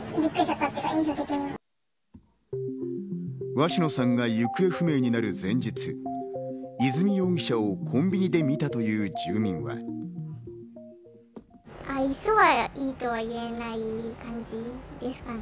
鷲野さんが行方不明になる前日、和美容疑者をコンビニで見たという従業員は。